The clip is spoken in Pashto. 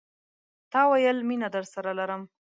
تا ویل، میینه درسره لرم